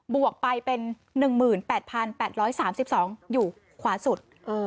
วกไปเป็น๑๘๘๓๒อยู่ขวาสุด